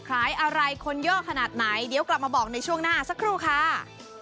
อะไรคนย่อขนาดไหนเดี๋ยวกลับมาบอกในช่วงหน้าสักครู่ค่ะ